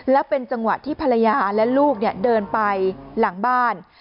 แล้วเป็นจังหวะที่ภรรยาและลูกเดินไปหลังบ้าน